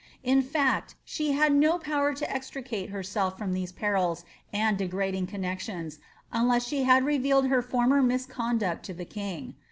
In fact, she had no power to extricate herself from these perilous and degrading connexions, un less she had revealed her former misconduct to the king.